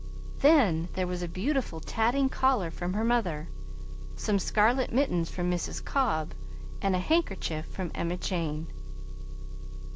Then there was a beautiful "tatting" collar from her mother, some scarlet mittens from Mrs. Cobb, and a handkerchief from Emma Jane.